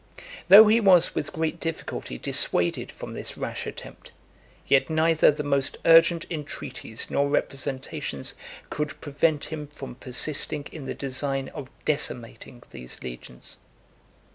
Though he was with great difficulty dissuaded from this rash attempt, yet neither the most urgent entreaties nor representations could prevent him from persisting in the design of decimating these legions.